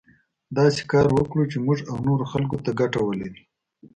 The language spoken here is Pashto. داسې کار وکړو چې موږ او نورو خلکو ته ګټه ولري.